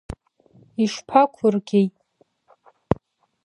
Ишԥақәыргеи?!